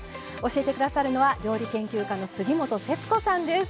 教えてくださるのは料理研究家の杉本節子さんです。